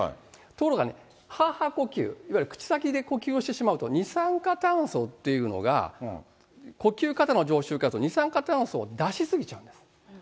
ところがはぁはぁ呼吸、いわゆる口先で呼吸をしてしまうと、二酸化炭素っていうのが、呼吸過多の常習の方、二酸化炭素を出し過ぎちゃうんです。